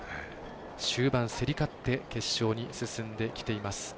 終盤競り勝って決勝に進んできています。